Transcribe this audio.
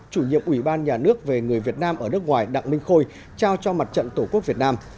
chủ nhiệm ủy ban nhà nước về người việt nam ở nước ngoài đặng minh khôi trao cho mặt trận tổ quốc việt nam